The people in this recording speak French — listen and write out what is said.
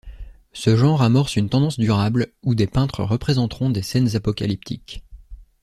Ce genre amorce une tendance durable où des peintres représenteront des scènes apocalyptiques.